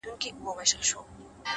خوښي په ساده شیانو کې ده،